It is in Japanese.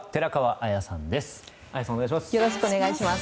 綾さん、お願いします。